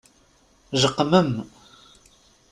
Jeqqmem!